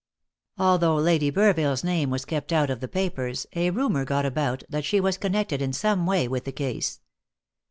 Although Lady Burville's name was kept out of the papers, a rumour got about that she was connected in some way with the case.